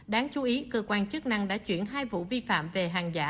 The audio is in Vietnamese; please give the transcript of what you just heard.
đáng chú ý cơ quan chức năng đã chuyển hai vụ vi phạm về hàng giả